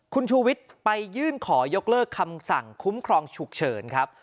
คุณชูวิทย์ไปยื่นขอยกเลิกคำสั่งคุ้มครองฉุกเฉินครับ